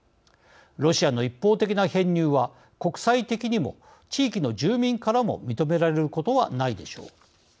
ロシアの一方的な編入は国際的にも地域の住民からも認められることはないでしょう。